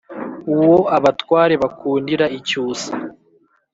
Uwo abatware bakundira icyusa